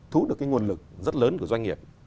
thú được nguồn lực rất lớn của doanh nghiệp